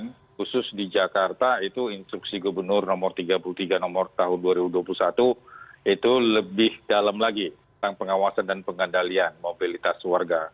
nah khusus di jakarta itu instruksi gubernur nomor tiga puluh tiga nomor tahun dua ribu dua puluh satu itu lebih dalam lagi tentang pengawasan dan pengendalian mobilitas warga